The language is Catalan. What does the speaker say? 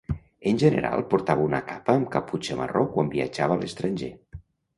En general portava una capa amb caputxa marró quan viatjava a l'estranger.